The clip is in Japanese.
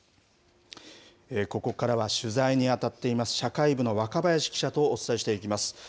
ここからは取材に当たっています、社会部の若林記者とお伝えしていきます。